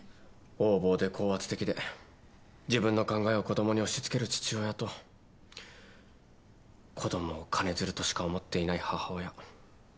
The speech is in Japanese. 横暴で高圧的で自分の考えを子供に押しつける父親と子供を金づるとしか思っていない母親。